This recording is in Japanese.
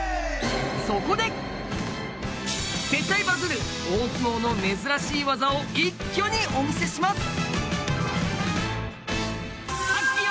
そこで絶対バズる大相撲の珍しい技を一挙にお見せします。